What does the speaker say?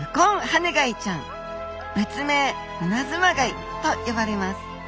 別名イナズマガイと呼ばれます。